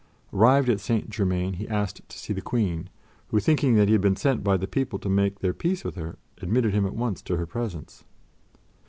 Arrived at St. Germain, he asked to see the Queen, who, thinking that he had been sent by the people to make their peace with her, admitted him at once to her presence.